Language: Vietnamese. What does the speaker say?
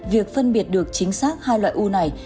việc phân biệt được chính xác hai loại u này